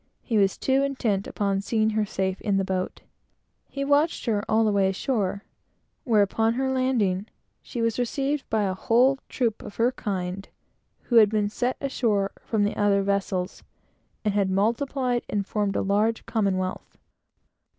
He was too intent upon seeing her safe in the boat. He watched her all the way ashore, where, upon her landing, she was received by a whole troop of her kind, who had been sent ashore from the other vessels, and had multiplied and formed a large commonwealth.